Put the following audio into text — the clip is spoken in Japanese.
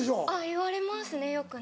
言われますねよくね。